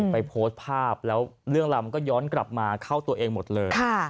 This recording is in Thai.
โพสต์ภาพแล้วเรื่องราวมันก็ย้อนกลับมาเข้าตัวเองหมดเลย